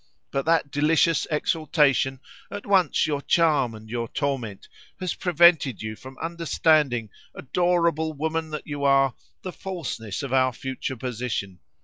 But that delicious exaltation, at once your charm and your torment, has prevented you from understanding, adorable woman that you are, the falseness of our future position.